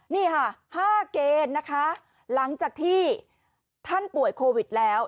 นี่ค่ะ๕เกณฑ์นะคะหลังจากที่ท่านป่วยโควิดแล้ว